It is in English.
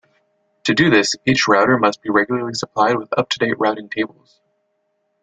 To do this, each router must be regularly supplied with up-to-date routing tables.